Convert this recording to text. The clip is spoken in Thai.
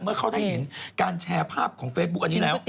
เมื่อเขาได้เห็นการแชร์ภาพของเฟซบุ๊ค